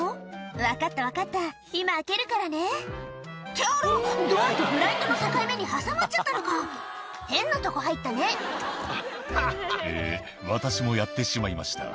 分かった分かった今開けるからねってあらドアとブラインドの境目に挟まっちゃったのか変なとこ入ったね「え私もやってしまいました」